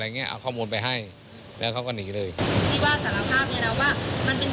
อย่างเงี้เอาข้อมูลไปให้แล้วเขาก็หนีเลยที่ว่าสารภาพเนี้ยนะว่ามันเป็น